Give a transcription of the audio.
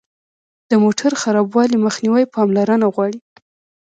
د موټر خرابوالي مخنیوی پاملرنه غواړي.